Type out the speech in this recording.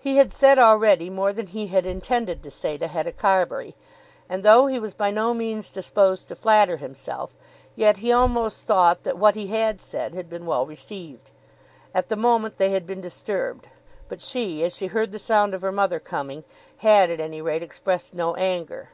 He had said already more than he had intended to say to Hetta Carbury; and though he was by no means disposed to flatter himself, yet he almost thought that what he had said had been well received. At the moment they had been disturbed, but she, as she heard the sound of her mother coming, had at any rate expressed no anger.